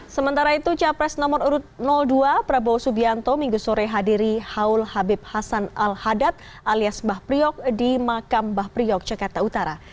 sementara itu capres nomor urut dua prabowo subianto minggu sore hadiri haul habib hasan al hadad alias mbah priok di makam mbah priok jakarta utara